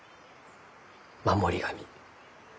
守り神。